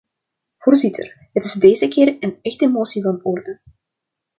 Voorzitter, het is deze keer een echte motie van orde.